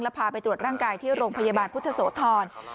พาไปตรวจร่างกายที่โรงพยาบาลพุทธโสธร